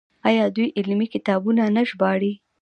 آیا دوی علمي کتابونه نه ژباړي؟